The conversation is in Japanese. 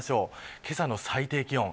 けさの最低気温。